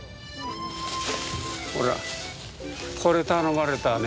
ほらこれ頼まれたね